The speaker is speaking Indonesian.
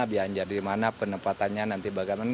biar jadi mana penempatannya nanti bagaimana